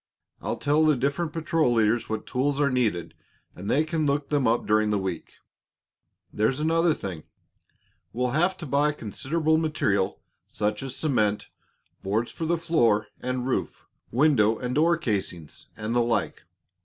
I'll tell the different patrol leaders what tools are needed, and they can look them up during the week. There's another thing. We'll have to buy considerable material, such as cement, boards for the floor and roof, window and door casings, and the like.